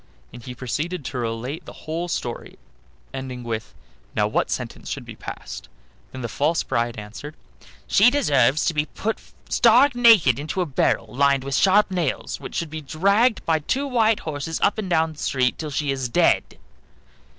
and he proceeded to relate the whole story, ending up with, "Now what sentence should be passed?" Then the false bride answered: "She deserves to be put stark naked into a barrel lined with sharp nails, which should be dragged by two white horses up and down the street till she is dead."